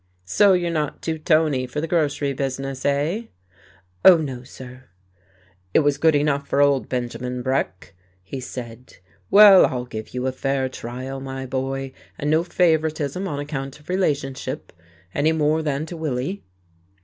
"So you're not too tony for the grocery business, eh?" "Oh, no, sir." "It was good enough for old Benjamin Breck," he said. "Well, I'll give you a fair trial, my boy, and no favouritism on account of relationship, any more than to Willie."